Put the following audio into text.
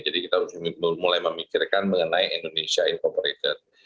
jadi kita harus mulai memikirkan mengenai indonesia incorporated